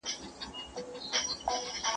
¬ چي مرگى سته، ښادي نسته.